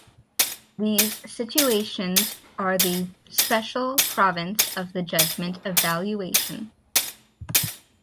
These situations are the special province of the judgment of valuation.